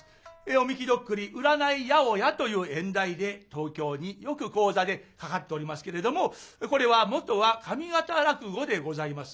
「御神酒徳利」「占い八百屋」という演題で東京によく高座でかかっておりますけれどもこれは元は上方落語でございます。